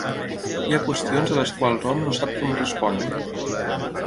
Hi ha qüestions a les quals hom no sap com respondre.